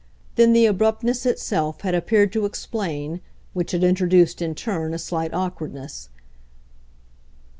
Then the abruptness itself had appeared to explain which had introduced, in turn, a slight awkwardness.